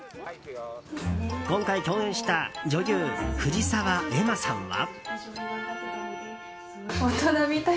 今回共演した女優・藤澤恵麻さんは。